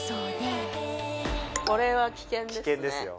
これは危険ですね。